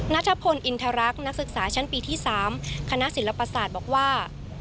นัทพลอินทรรักษ์นักศึกษาชั้นปีที่๓คณะศิลปศาสตร์บอกว่า